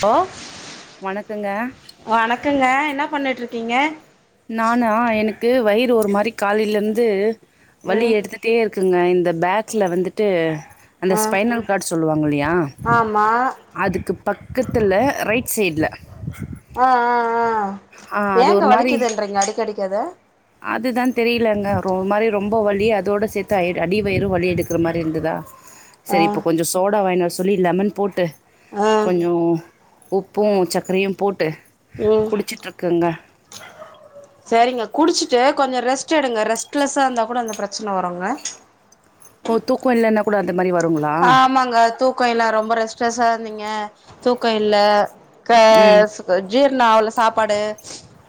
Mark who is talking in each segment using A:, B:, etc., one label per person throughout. A: Hello
B: வணக்கங்க
A: வணக்கங்க என்ன பண்ணிட்டு இருக் கீங்க
B: நானா எனக்கு வயிறு ஒரு மாரி காலையில இருந்து வலி
A: ம்
B: எடுத்துட்டே இருக்கு இருக்குங்க இந்த பேக்ல வந்துட்டு அந்த
A: ஆ
B: ஸ்பைனல் கார்டு சொல்லுவாங்க இல்லையா
A: ஆமா
B: அதுக்கு பக்கத்தில் ரைட் சைட்ல
A: ஆஹ் ஆஹ் ஆஹ்
B: ஆ அது
A: ஏங்க
B: ஒரு மாரி
A: வலிக்குது
B: அதுதா தெரிலங்க ஒரு மாரி ரொம்ப வலி அதோடு சேத்து ஆ அடி வயிறு வலி எடுக்கற மாரி இருந்துதா
A: ஆ
B: சரி இப்ப கொஞ்சோ சோடா வாங்கின் [unintelligible] லெமன் போட்டு
A: ஆ
B: கொஞ்சோ உப்பு சக்கரையு போட்டு
A: ம்
B: குளிச்சுட்ருக்கங்க
A: சரிங்க குடிச்சிட்டு கொஞ்சோ ரெஸ்ட் எடுங்க ரெஸ்ட்லெஸ்ஸாந்தா கூட அந்த பிரச்சன வருங்க
B: ஓ தூக்கொ இல்லன்னா கூட அந்தமாரி வரு
A: ஆ ஆமாங்க தூ தூக்கொ இல்ல ரொம்ப ரெஸ்ட்ரஸ்ஸா இருந்தீங்க தூக்கொ இல்ல
B: ம்
A: [unintelligible] நா அவ்ள சாப்பாடு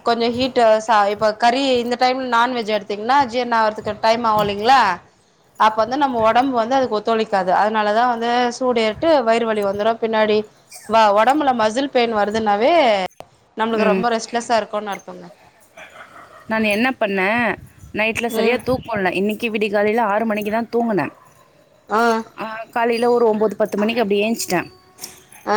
A: கொஞ்சம் ஹீட் டு ச இப்ப கறி இந்த இந்த டைம்ல நான்வெஜ் எடுத்தீங்னா ஜீரணாறதுக்கு து டைமாவு இல்லைங்ளா அப்ப வந்து நம்ம ஒடம்பு வந்து அது ஒத்துழ க்காது அதனாலதா வந்து சூடு ஏட்டு வயிறு வலி வந்துரு பின்னாடி வ ஒடம்புல மசில் பெயின் வருதுன்னாவே நம்ளுக்கு
B: ம்
A: ரொம்ப ரெஸ்ட்லெஸ்ஸாருக்கு [unintelligible]
B: நான் என்ன பண்ணே நைட்ல சரியா
A: ம்
B: தூங் முல்ல இன்னைக்கு விடிய காலல ஆறு மணிக்கு தா தூங்குன ஆ காலைல ஒரு ஒன்பது பத்து மணிக்கு அப்டி ஏஞ்ச்சுட்ட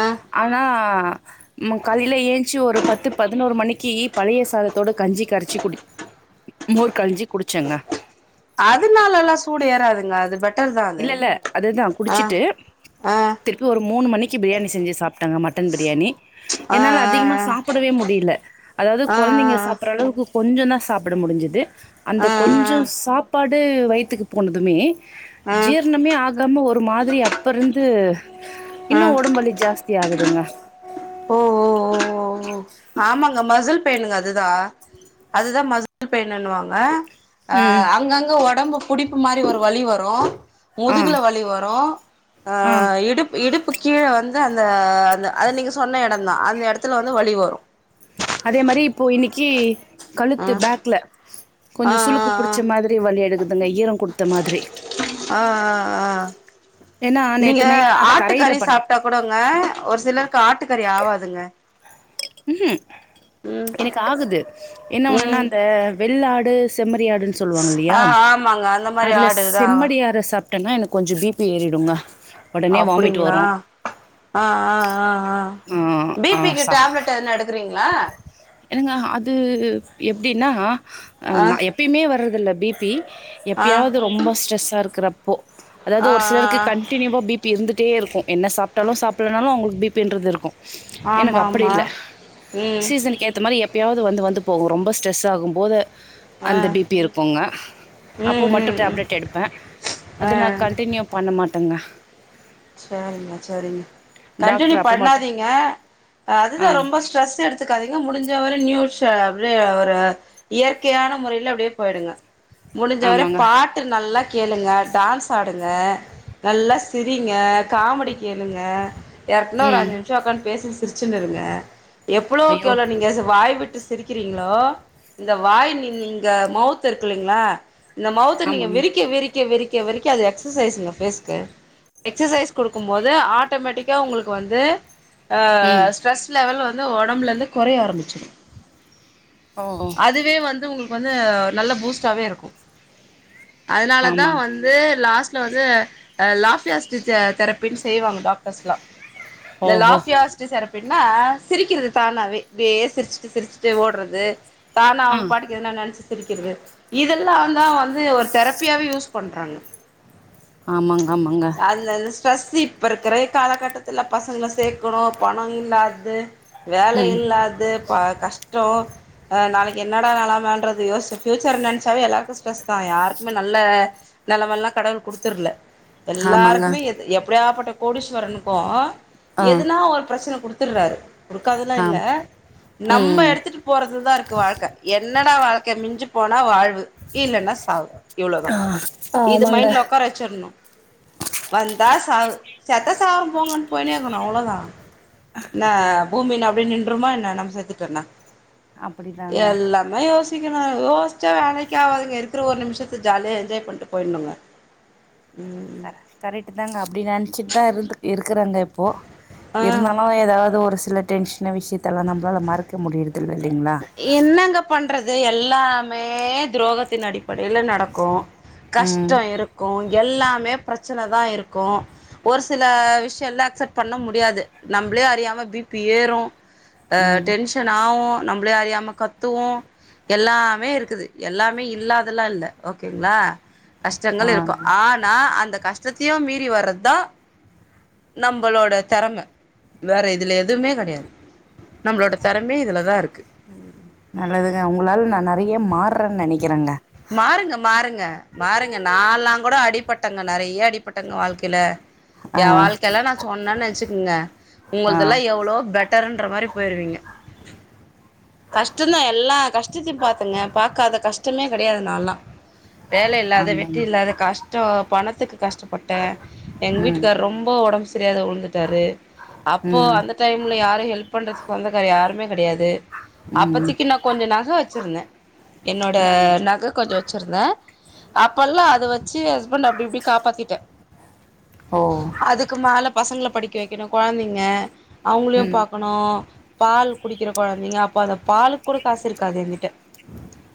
A: ஆ
B: ஆனா [inaudible] மா காலைல ஏன்ச்சி ஒரு பத்து பதினோரு மணிக் கி பழைய சாத த்தோட கஞ்சி கரச்சி குடிச் மோர் கழஞ்சி குடிச்சங்க
A: அதனாலல்லா சூடு ஏறாதுங்க அது பெட்டர் தா அது
B: இல்ல இல்ல அதுதா
A: ஆ
B: குடிச்சிட்டு
A: ஆ
B: திருப்பி ஒரு மூணு மணிக்கு பிரியாணி செஞ்சு சாப்ட்டங்க மட்டன் பிரியாணி
A: ஆ ஆ
B: என்னால அதிகமா சாப்டவே முடில அதாவது
A: ஆ ஆ ஆ
B: கொழந்தைங்க சாப்பற அளவுக்கு கொஞ்சதா சாப்ட முடிஞ்சிது அந்த கொஞ்சோ சாப்பாடு வந்து வயித்துக்கு போனதுமே
A: ஆ ஆ ஆ
B: ஜீர்ணமே ஆகாம ஒரு மாதிரி அப்பருந்து
A: ஆ
B: இன்னும் ஒடம்பு வலி ஜாஸ்தியாகுதுங்க
A: ஓ ஓ ஓ ஓ ஓ ஆமாங்க மசுல் பெய்னுங்க அதுதா அதுதா மசுல் பெய்னுன்னுவாங்க ஆ
B: ம்
A: அங்கங்க ஒடம்பு புடிப்பு மாரி ஒரு வலி வரும்
B: ஆ
A: முதுகுல வலி வரும் ஆ இடுப் இடுப் இப்ப கீழ வந்து அந்த அந்த அது நீங்க அந்த எடோந்தா அந்த எடத்துல வந்து வலி வரும்
B: அதே மாரி இப்போ இன்னைக்கி
A: ஆ
B: கழுத்து பேக்ல
A: ஆ
B: கொஞ்சோ சுளுக்கு
A: ஆ ஆ
B: புடிச்ச மாதிரி வலி எடுக்குதுங்க ஈரம் குடுத்த மாதிரி
A: ஆ ஆ ஆ
B: ஏன்னா
A: நீங்க
B: நேத்து நைட்டு நா தரையில படுத்து
A: க்கு ஆட்டுக்கறி ஆவாதுங்க
B: ம்ஹு
A: ம்
B: எனக்கு ஆகுது என்ன ஒன்னுன்னா
A: ம்
B: இந்த வெள்ளாடு செம்ம மறி ஆடுனு
A: ஆ
B: சொல்லுவாங்கல்லியா
A: ஆமாங்க அந்த மாரி
B: அதுல செம்மறி ஆட சாப் சாப்ட்டனா எனக்கு கொஞ்சோ பிபி
A: அப்டிங்ளா ஆ ஆ ஆ ஆ
B: ஆ
A: பிபிக்கு டேப்லெட் எதுனா எடுக்குறீங்ளா
B: இல்லங்க அது எப்டின்னா ஆ நா எப்பயுமே வர்ற அதுல பிபி
A: ஆ
B: எப்பயாவது ரொம்ப ஸ்ட்ரெஸ்ஸா இருக்குற ஓ அதாவது
A: ஆ ஆ
B: ஒரு சிலருக்கு
A: ஆ
B: கண்டினியூவா பிபி இருந்து டே இருக்கும் என்ன சாப்ட்டாலும் சாப்பிட்லனாலும் அவங்களுக்கு பி பின்றது இருக்
A: ஆமா
B: எனக்கு அப்டி
A: ஆமா
B: இல்ல
A: ம்
B: சீசனுக்கு ஏத்த மாரி எப் எப்பயாவது வந்து வந்து போகும் ரொம்ப ஸ்ட்ரெஸ் ஆகும் போது
A: ஆ
B: அந்த பிபி இருக்குங்க அப்போ
A: ம்
B: மட்டும்
A: ம் ம்
B: டேப்லெட் எடுப்பேன் அத நா
A: ஆ
B: கன்டினியூ பண்ண மாட்டேங்க
A: சரிங்க சரிங்க கண்டினியூ
B: டாக்டர் அப்ப மட்டும்
A: பண்ணாதீங் க
B: ஆ
A: அதுதா ரொம்ப ஸ்ட்ரெஸ் எடுத்து த்துகாதிங்க முடிஞ்ச வர நியூஸ் அப்படியே ஒரு இயற்கையான முறையில அப்டியே போயிடுங்க முடிஞ்சவர
B: ஆமாங்க.
A: பாட்டு நல்லா கேளுங்க டான்ஸ் ஆடுங்க நல்லா சிரி ங்க காமெடி கேளுங்க யாருக்குனா ஒரு
B: ம்.
A: அஞ்சி நிம்ஷம் உக்காந்து பேசுங்க சிரிச்சினுருங்க எவ்ளோக்கு
B: ஐயோ!
A: எவ்ளோ நீங்க வாய்விட்டு சிரிக்கிறீங்ளோ இந்த வாய் நீங்க மவ்த் இருக்கு இலைங்களா இந்த மவ்த்த நீங்க
B: ஆமாங்க.
A: விரிக்க விரிக்க விரி விரிக்க அது எக்சசைஸ்ங்க பேஸ் க்கு எக்ஸசயிஸ் குடுக்கும் போது ஆட்டோமேட்டிக் க உங்ளுக்கு வந்து ஆ
B: ம்.
A: ஸ்ட்ரெஸ் லெவல் வந் து உடம்புலருந்து கொறைய ஆரம்பிச்சிடு
B: ஓ!
A: அதுவே வந்து உங்ளுக் வந்து நல்ல பூஸ்ட்டாவே இருக்கும் அதனால தா
B: ஆமாங்
A: வந்து லாஸ்ட் ல வந்து அ லாஃபியாஸ் தெரப்பின்னு செய்வாங்க டாக்டர்ஸ்லா இந்த
B: ஓஹோ
A: லாஃபியாஸ்ட் தெரப் எப் டின்னா சிரிக்கிறது தானாவே இப்டியே சிரிச்சு சிரிச்சுட்டு ஓடுறது தானா
B: ஆ
A: அவங்க பாட்டுக்கு எதன நெனைச்சு சிரிக்கிறது இது துல்லாந்தா வந்து ஒரு தெரப்பியாவே யூஸ் பண்றாங்க
B: ஆமாங்
A: அதுல இந்த ஸ்ரெஸ் தி இப்ப இருக்கிற காலகட்டத்துல பசங்கள சேக்கணு பண இல்லாது வேல
B: ம்
A: இல்லாது ப கஷ் ட்டு அ நாளைக்கு என்னடா நெலமன்றது யோசி ஃபியூச்சர நெனச்சாவே எல்லாருக்கு ஸ்ட்ரெஸ் தா யாருக்குமே நல்ல நெலமல கடவுள் குடுத்துருல
B: ஆமாங்க
A: எல்லாருக்குமே எது எப்படியாப்பட்ட கோடீஸ்வரனுக்கு
B: ஆ
A: எதுனா ஒரு பிரச்சன குடுத் த்துராரு குடுக்காதலா இல்ல
B: ஆம்
A: நம்ம
B: ம்
A: எடுத்துட்டு போறதுதா இருக்கு வாழ்க்க என்னடா வாழ் க்க மிஞ்சு போனா வாழ் ழு இல்லன்னா சாவு இவ்ளோதா இது
B: ஆமாங்க
A: மைண்ட்ல உக்கார வச்சரணு வந்தா சாவு செத்தா சாவுற போங்கோன்னு போய்னே இருக்கனு அவ்ளோதா என்னா பூமில அப்டே நின்றுமா என்ன நம்ம சேத்துடோனா
B: அப்படிதாங்க
A: எல்லாமே யோ சிக்கினு யோசிச்சா வேலக்கே ஆவாதுங்க இருக்கற ஒரு நிமிஷத்த ஜாலியா என்ஜாய் பண்ட்டு போய்ணுங்க ம்
B: கரெக்ட்டு தாங்க அ அப்டி நன்ச்சிட்டு தா இருத் இருக்கறங்க இப்போ
A: ஆ
B: இருந்தாலு ஏதாவது ஒரு சி சில டென்ஷன விஷயத்தல்லா நம்மளால மறக்க முடியுறது
A: என்னங்க பண்றது எல்லாமே துரோகத்தின் அடிப்படையில நடக்கு
B: ம்
A: கஷ்டோ இருக்கு எல்லாமே பிரச்சன தா இருக்கு ஒரு சில விஷயலா அக்செப்ட் பண்ண முடியாது நம்ளே அறியாம பி பி ஏறு அ
B: ம்
A: டென்ஷன் ஆவு நம்ளே அறியாம கத்துவோ எல்லாமே இருக்குது எல்லாமே இல்லாதெல்லா இல்ல ஓகேங்களா கஷ்டங்கள் இருக்கு
B: ஆங்க
A: ஆனா அந்த கஷ் டத்தையு மீறி வர்றது தா நம்பளோட தெறம வேறு இதில எதுவுமே கடையாது நம்ளோட தெறமையே இதில தா இருக்கு
B: நல்லதுங்க உங்களால நா நெறைய மாறுறேன்னு நெனைக்கிறேங்க
A: மாறுங்க மாறுங்க மாறுங்க நாலா கூட அடிப் பட் அங்க நெறைய அடிப்பட்டேங்க வாழ்க்கையில
B: ஆ
A: என் வாழ்க்கல்லா நா சொன்னேன்னு வெச்சுக்கங்க
B: ஆ
A: உங்களதெல்லா எவ்ளோ பெட்டருன்ற மாரி போய்ருவீங்க கஷ்டம்தா எல்லா கஷ்டத்தையு பாத்துங்க பாக்காத கஷ் டமே கெடையாது நாலா வேல இல்லாத வெட்டி
B: ஆமேங்க
A: இல்லாத கஷ்டம் பணத்துக்கு கஷ்டப்பட்டே எங்க
B: ம்
A: வீட்டுக்கார் ரொம்ப ஒடம்பு தெரியாத உழுந்துட்டாரு அப்போ
B: ம்
A: அந்த டைம்ல யாரு ஹெல்ப் பண்ணுறதுக்கு சொந்தக்காரு யாருமே கெடையாது
B: ம்
A: அப்பத்திக்கு நா கொஞ்சம் நக வச்சிருந்தே என்னோட
B: ம்
A: நக கொஞ்சம் வச்சிருந்தே அப்பல்லா அது வச் சு ஹஸ்பண்டு அப்டி இப்டி காப்பாத்திட்டே
B: ஓ
A: அதுக்கு மேல பசங்கள படிக்க வைக்கணு கொழந்தைங்க அவங்களையு
B: ம்
A: பாக்கணு பால் குடிக்கிற கொழ நீங்க அப்பாலம் பாலுக் கூட காசு இருக்காது எங்கிட்ட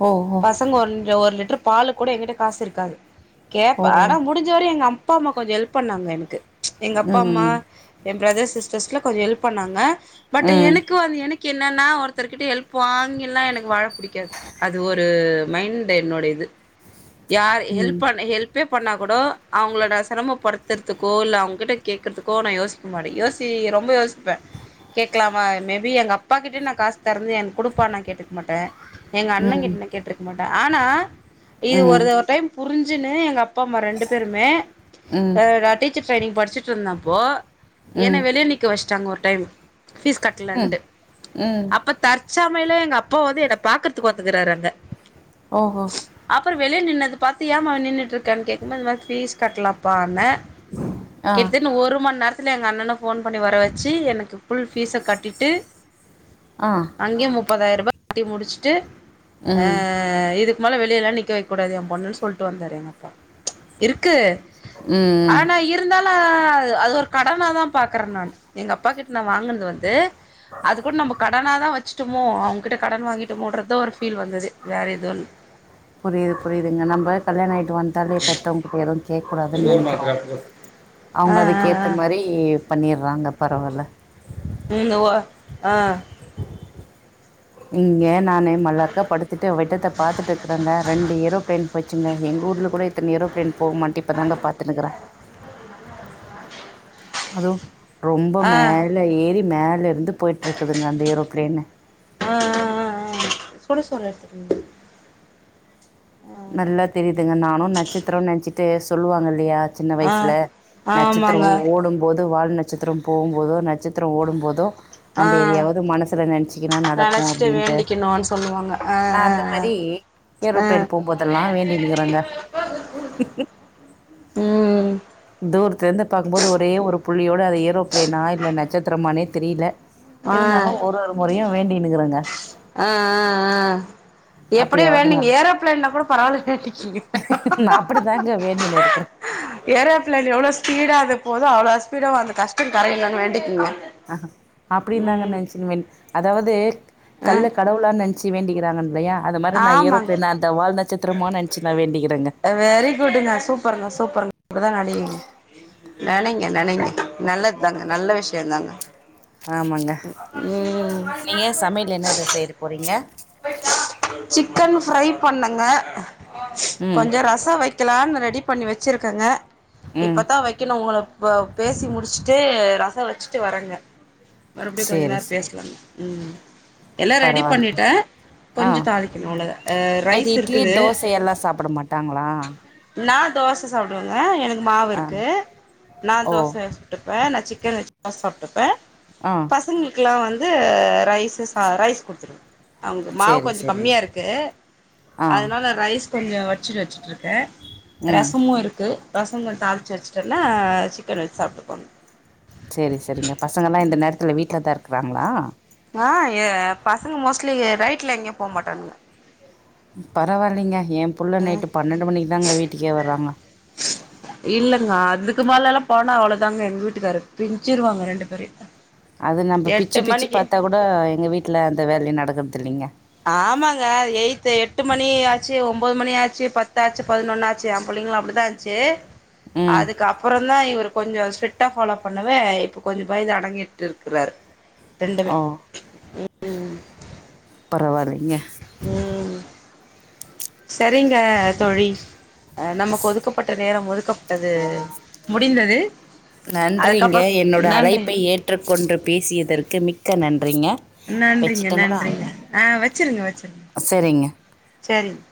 B: ஓ ஓ
A: பசங்க ஒஞ்சோ ஒரு லிட் ட்ரு பாலு கூட எங்கிட்ட காசு இருக்காது
B: ஓ
A: கேப்பா ஆனா முடிஞ்சோ வரய் எங்கம் ப்பாம்மா கொஞ்சொ ஹெல்ப் பண்ணாங்க எனக்கு எங்க அப்பா அம்மா
B: ம்
A: எ பிரதர்ஸ் சிஸ்டர்ஸ்ல கொஞ்சொ ஹெல்ஃப் பண்ணாங்க
B: ம்
A: பட்
B: ம்
A: எனக்கு வந் எனக்கு என் ன்னா ஒருத்தர்கிட்ட ஹெல்ஃப் வாங்கியெல்லா எனக்கு வாழ புடிக்காது அது ஒரு மைண்ட் என்னோட இது யார் ஹெல்ஃப்
B: ம்
A: பண்ண ஹெல்ஃப் பே பண்ணா கூட அவங்களோட செரம படுத்துறதுக்கோ இல்ல அவங்ககிட்ட கேக்குறதுக்கு கோன யோசிக்க மாட்டே யோசி ரொம்பொ யோசி பே கேக்கலாமா மேபி எங்கப் கிட்டயு நா காசு தெறந்து எனக் குடுப்பான் நா கேட்டுக்க மாட்ட எங்க அண்ண
B: ம்
A: கிட்ட நா கேட்டுருக்க மாட்ட ஆனா இது
B: ம்
A: ஒருத ஒரு டைம் புரிஞ்சுன்னு எங்கப் ப ம்மா ரெண்டு பேருமே
B: ம்
A: ஹ நா டீச்சர் ட்ரைனிங் படி ச்சிட்டுருந்தப்போ என்ன வெளிய நிக்க வச்சுட்டாங்க ஒரு டைம் ஃபீஸ்
B: ம்
A: கட்லண்ட்டு
B: ம்
A: அப்ப தற்சா சமைல எங்க அப்பா வந்து என்ன பாக்குறதுக்கு வந்துக்றாரு அங்க
B: ஓஹோ
A: அப்புறொ வெளிய நின்ன ன்ன பாத்து ஏன்மா நின்னுட்டுருக்கன் கேக்கும்ம இனனு ஃபீஸ் கட்டலப்பான்ன
B: ஆ
A: கிட்டன்னு ஒரு மண் நேரத் துனே எங்க அண்ணன ஃபோன் பண்ணி வர வச்சு எனக்கு ஃபுல் ஃபீஸ கட்டிட்டு
B: ஆ
A: அங்கே முப் ப்பதாயிரூபா கட்டி முடிச்சுட்டு
B: ம்
A: ஆஹ் இது க்கு மேலே வெளியெல்லா நிக்க வைக்கூடாது என் பொண்ணன்னு சொல்ட்டு வந்தாரு எங்க அப்பா இருக்கு
B: ம்
A: ஆனா இருந்தாலும் அது ஒரு கடனா தான் பாக்குறேன் நான் எங்க அப்பா கிட்ட நான் வாங்கினது வந்து அது கூட நம்ம கடனா தான் வச்சுட்டோமோ அவங்ககிட்ட கடன் வாங்கிட்டோமோன்றதே ஒரு ஃபீல் வந்தது வேற எதுவும் இல்லை
B: தல பெத்தவங்க பேரும்ந்து [unintelligible] கேட்கக்கூடாதுன்னு
A: சோறு மாத்துற
B: நினைக்கிறோம்
A: அப்போ ஆ
B: அவங்க
A: ஆ
B: அதுக்கு
A: ஆ
B: ஏத்த மாதிரி பண்ணிருறாங்க பரவாயில்லை
A: உம் ஆஹ் [unintelligible]
B: இங்கே நானே மல்லாக்க படுத்துட்டு விட்டத்தை பாத்துட்டுருக்கறேங்க ரெண்டு ஏரோபிளேன் போச்சுங்க எங்க ஊர்ல கூட இத்தனை ஏரோப்ளேன் போகுமான்ட்டு இப்பதாங்க பாத்துட்டு இருக்கிறேன் அது ரொம்ப
A: ஆ ஆ
B: மேல ஏறி மேல இருந்து போயிட்டு இருக்குதுங்க அந்த ஏரோ பிளேன்
A: கூட சொல் எடுத்துக்க [unintelligible]
B: நல்லா தெரியுதுங்க நானும் நட்சத்திரம்னு நினைச்சிட்டு சொல்லுவாங்க இல்லையா சின்ன
A: ஆ
B: வயசுல
A: ஆமாங்க
B: நட்சத்திரம் ஓடும்போது வால் நட்சத்திரம் போகும்போதோ நட்சத்திரம் ஓடும்போதோ
A: ஆ
B: நம்ம எதையாவது மனசுல நினைச்சுக்கன்னா நடக்கும்
A: நெனச்சிட்டு
B: அப்படின்ட்டு
A: வேண்டிக்கணுன்னு சொல்லுவாங்க ஆ
B: நான்
A: ஆ
B: அந்த மாதிரி
A: ஆ ஆ
B: ஏரோப்ளேன் போகும்போதெல்லாம் வேண்டிட்டுக்கிறாங்க
A: ம்
B: தூரத்துலே இருந்து பார்கும்போது ஒரே ஒரு புள்ளியோட அது ஏரோப்ளேனா இல்லை நட்ச நட்சத்திரமானே தெரியலே
A: ஆ
B: இருந்தாலும் ஒரு ஒரு முறையும் வேண்டினுக்கிறேங்க
A: எப்படியோ வேண்டிக்கீங்க ஏரோப்ளேன்ல கூட பரவாயில்ல வேண்டிக்கீங்க
B: தாங்க வேண்டினு இருக்கிறோம்
A: ஏரோ பிளேன் எவ்ளோ ஸ்பீடா அது போகுதோ அவ்வளோ ஸ்பீடா அந்த கஷ்டம் கரையனும்ன்னு வேண்டிக்கீங்க
B: ஆஹ அப்படி தாங்க நினச்சின்னு வேண்டிக் அதாவது
A: ஆ
B: கல்லு கடவுளா நினச்சு [unintelligible] வேண்டிக்கிறாங்க இல்லையா அது மாரி நா
A: ஆமாங்க
B: ஏரோப்ளேன அந்த வால் நட்சத்திரமா நெனச்சு நா வேண்டிக்கிறேங்க
A: வெரி குட்டுங்க சூப்பருங்க சூப்பருங்க அப்படிதான் [unintelligible] நெனைங்க நெனைங்க நல்லது தாங்க நல்ல விஷயம் தாங்க
B: ஆமாங்க நீங்க சமையல் என்னத செய்ய போறீங்க
A: சிக்கன் ஃரை பண்ணேங்க
B: ம்
A: கொஞ்சோ ரசோ வெக்கலாம்னு ரெடி பண்ணி வெச்சுருக்கேங்க
B: ம்
A: இப்பத்தா வெக்கணும் உங்க இப்ப பேசி முடிச்சுட்டு ரசம் வெச்சுட்டு வரேங்க மறுபடியும் கொஞ்ச
B: சேரி
A: நேரம்
B: சேரி
A: பேசலாம் ம் எல்லா ரெடி
B: பரவால்ல
A: பண்ணிட்டே
B: ஆ
A: கொஞ்சோ தாலிக்கணு அவ்ளோதா அ
B: நைட்டு
A: ரைஸ்
B: இட்லி
A: இருக்குது
B: தோசை எல்லா சாப்பிட மாட்டாங்களா
A: நா தோச சப்புடுவேங்க ஹ எனக்கு மாவு
B: ஆ
A: இருக்கு நா
B: ஓ
A: தோச சுட்டுப்பே பே நா சிக்கன் வெச்சி தௌச சாப்டுப்பே
B: ஆ
A: பசங்களுக்கெல்லாம் வந்து வந்து ரைஸ் சா கூடுத்துருவே அவுங்க மாவு
B: சேரி
A: கொஞ்சோ
B: சேரிங்க
A: கம்மியா இருக்கு
B: ஆ
A: அதனால ரைஸ் கொஞ்சோ [unintelligible] இருகே
B: ம்
A: ரசமும் இருக்கு ரசோ கொஞ்சோ தாலிச்சி வெச்சுட்டோன்னா சிக்கன் வெச்சு சாப்டுபாங்க
B: சேரி சேரிங்க பசங்க எல்லா இந்த நேரத்துல வீட்டு்லதா இருக்குறாங்களா
A: ஆஹ பசங்க மோஸ்ட்லி நைட்ல எங்கேயும் போக மாட்டானுங்க
B: பரவாயில்லைங்க என் புள்ள நைட்டு பன்னெண்டு மணிக்கு தாங்க வீட்டுக்கே வர்றாங்க
A: அது மாரி எல்லா போனா அவ்ளோதாங்க எங்க வீட்டுக்காரு பிஞ்சிருவாங்க ரெண்டு பேரயும்
B: அது நம்ப பிச்சி பிச்சி பாத்தா கூட எங்க வீட்ல அந்த வேலை நடக்குது கர்துதிலிங்க
A: ஆமாங்க எயித்து எட்டு மணி ஆச்சி ஒம்பது மணி ஆச்சி பத்தாச்சி பதினொன்னு ஆச்சி என் பிள்ளைங்களு அப்டிதா ஆச்சி
B: ம்
A: அதுக்கு அப்பறோ தா இவரு கொஞ்சோ ஸ்ட்ரிட்டா ஃபாலோ பண்ணவே இப்ப கொஞ்சோ பயந்து அடங்கீட்டு இருக்குறாரு ரெண்டுமே
B: ஓ
A: ம்
B: பரவாயில்லைங்க
A: ம் சேரிங்க தோழி அ நமக்கு ஒதுக்கப்பட்ட நேரம் ஒதுக்கப்பட்டது முடிந்தது
B: நன்றிங்க
A: அதுக்கப்புறோ
B: என்னோட
A: நன்றி
B: அழைப்பை ஏற்றுக்கொண்டு பேசியதற்கு மிக்க மிக்க நன்றிங்க
A: நன்றிங்க
B: வச்சுட்டுங்களா
A: நன்றிங்க ஆ வெச்சிருங்க வெச்சிருங்க
B: சரிங்க
A: செரிங்க